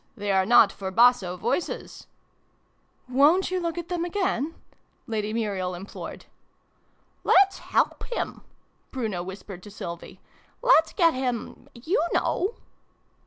They are not for basso voices !"" Wo'n't you look at them again ?" Lady Muriel implored. " Let's help him !" Bruno whispered to Sylvie. " Let's get him you know